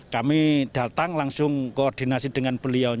kami datang langsung koordinasi dengan beliau